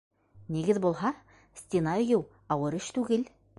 Нигеҙ булһа, стена өйөү ауыр эш түгел!